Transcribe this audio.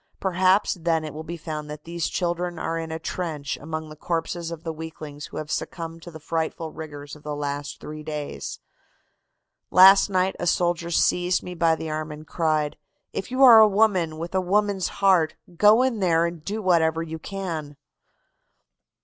Perhaps then it will be found that these children are in a trench among the corpses of the weaklings who have succumbed to the frightful rigors of the last three days. "Last night a soldier seized me by the arm and cried: 'If you are a woman with a woman's heart, go in there and do whatever you can.